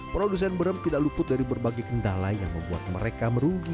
produsen brem tidak luput dari berbagai kendala yang membuat mereka merugi